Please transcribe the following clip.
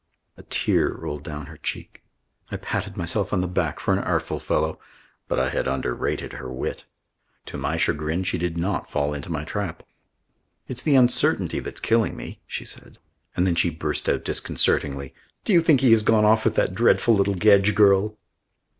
A tear rolled down her cheek. I patted myself on the back for an artful fellow. But I had underrated her wit. To my chagrin she did not fall into my trap. "It's the uncertainty that's killing me," she said. And then she burst out disconcertingly: "Do you think he has gone off with that dreadful little Gedge girl?"